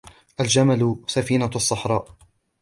الجمل سفينة الصحراء